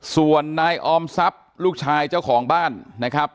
ส่วนนายออมทรัพย์ลูกชายเจ้าของบ้านนะครับ